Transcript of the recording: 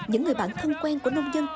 những người bạn thân quen của nông dân